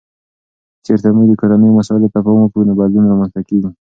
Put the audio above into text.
که چیرته موږ د کورنیو مسایلو ته پام وکړو، نو بدلون رامنځته کیږي.